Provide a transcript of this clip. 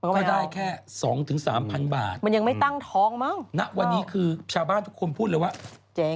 ก็ได้แค่๒๓พันบาทมันยังไม่ตั้งทองมั้งนะวันนี้คือชาวบ้านทุกคนพูดเลยว่า